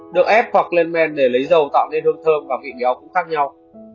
được ép hoặc len men để lấy dầu tạo nên hương thơm và vị béo cũng khác nhau